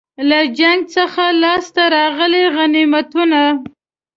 له جنګ څخه لاسته راغلي غنیمتونه.